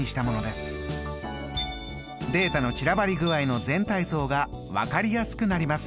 データの散らばり具合の全体像が分かりやすくなります。